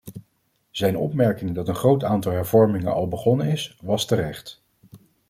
Zijn opmerking dat een groot aantal hervormingen al begonnen is, was terecht.